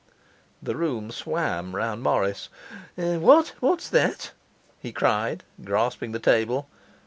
The room swam round Morris. 'What what's that?' he cried, grasping the table.